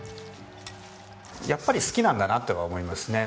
やっぱり好きなんだなっていうのは思いますね。